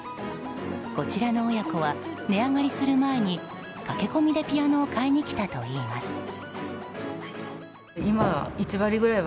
こちらの親子は値上がりする前に駆け込みでピアノを買いに来たといいます。